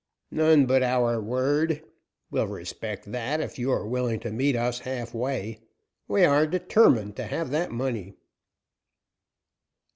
"None but our word. We'll respect that, if you are willing to meet us half way. We are determined to have that money."